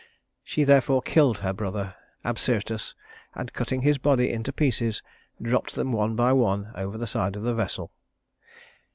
She therefore killed her brother Absyrtus, and, cutting his body into pieces, dropped them one by one over the side of the vessel.